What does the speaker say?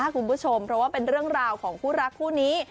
คุณผู้ชมเพราะว่าเป็นเรื่องราวของคู่รักคู่นี้